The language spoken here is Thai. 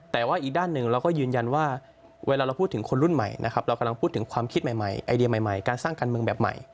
แต่ว่าอีกด้านหนึ่งเราก็ยืนยันว่าเวลาเราพูดถึงคนรุ่นใหม่นะครับเรากำลังพูดถึงความคิดใหม่ไอเดียใหม่การสร้างการเมืองแบบใหม่